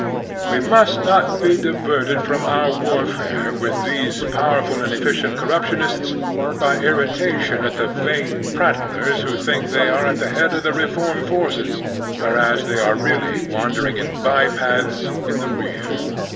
We must not be diverted from our warfare with these powerful and efficient corruptionists by irritation at the vain prattlers who think they are at the head of Latitude and Longitude 59 the reform forces, whereas they are really wander ing in bypaths in the rear.